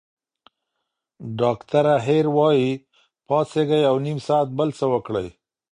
ډاکټره هیر وايي، پاڅېږئ او نیم ساعت بل څه وکړئ.